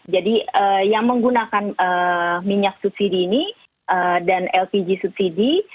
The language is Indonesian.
jadi yang menggunakan minyak subsidi ini dan lpg subsidi